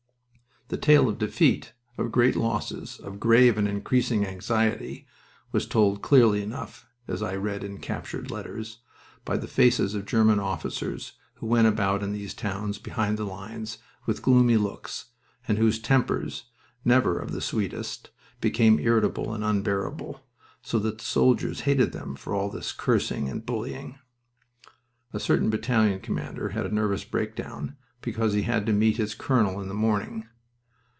The tale of defeat, of great losses, of grave and increasing anxiety, was told clearly enough as I read in captured letters by the faces of German officers who went about in these towns behind the lines with gloomy looks, and whose tempers, never of the sweetest, became irritable and unbearable, so that the soldiers hated them for all this cursing and bullying. A certain battalion commander had a nervous breakdown because he had to meet his colonel in the morning.